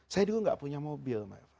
saya dulu tidak punya mobil